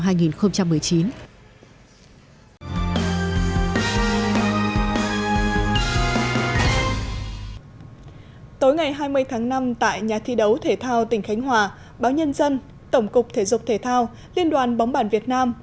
tối ngày hai mươi tháng năm tại nhà thi đấu thể thao tỉnh khánh hòa báo nhân dân tổng cục thể dục thể thao liên đoàn bóng bàn việt nam